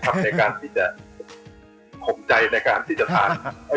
ในการที่จะข่มใจในการที่จะทาน